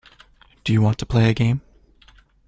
Do you want to play a game.